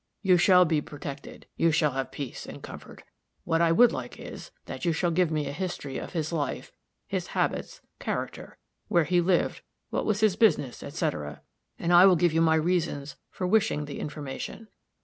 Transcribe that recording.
You shall be protected you shall have peace and comfort. What I would like is, that you shall give me a history of his life, his habits, character, where he lived, what was his business, etc.; and I will give you my reasons for wishing the information.